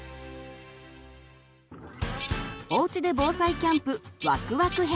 「おうちで防災キャンプわくわく編」